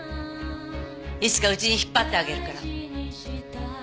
いつかうちに引っ張ってあげるから。